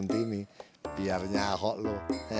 centini biar nyahok lo